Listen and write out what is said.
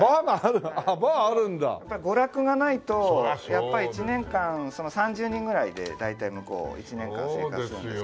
やっぱり１年間３０人ぐらいで大体向こう１年間生活するんですけど。